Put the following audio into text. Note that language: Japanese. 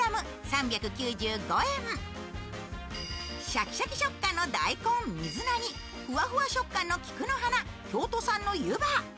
シャキシャキ食感の大根、水菜にふわふわ食感の菊の花、京都産の湯葉。